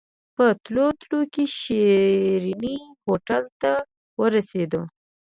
په تلو تلو کې د شيرين هوټل ته ورسېدو.